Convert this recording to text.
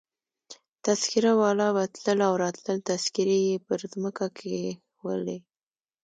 تذکیره والا به تلل او راتلل، تذکیرې يې پر مځکه کښېښولې.